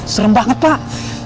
serem banget pak